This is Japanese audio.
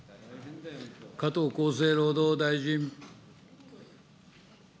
加藤厚生労働大臣。